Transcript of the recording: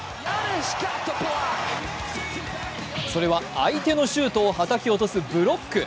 それは相手のシュートをはたき落とすブロック。